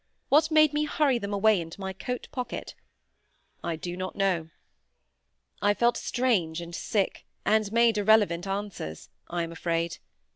What made me hurry them away into my coat pocket? I do not know. I felt strange and sick, and made irrelevant answers, I am afraid.